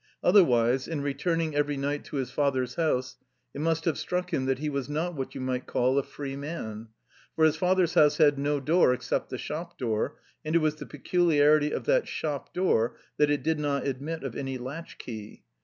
Otherwise, in returning every night to his father's house, it must have struck him that he was not what you might call a free man. For his father's house had no door except the shop door, and it was the peculiarity of that shop door that it did not admit of any latch key.